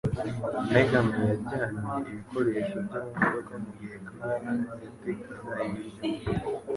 Megan yajyanye ibikoresho bye mu modoka mugihe Clara yatekaga ibiryo.